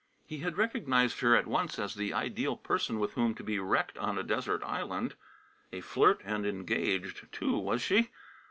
He had recognized her at once as the ideal person with whom to be wrecked on a desert island. A flirt, and engaged, too, was she?